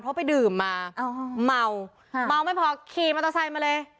เพราะไปดื่มมาเม้าไม่พอขรีมอาตาแซนไปเลย